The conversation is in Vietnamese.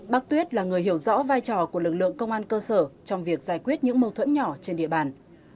bác tuyết là người hiểu rõ vai trò của lực lượng công an cơ sở trong việc giải quyết những mâu thuẫn nhỏ trên địa bàn